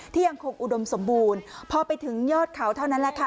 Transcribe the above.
ยังคงอุดมสมบูรณ์พอไปถึงยอดเขาเท่านั้นแหละค่ะ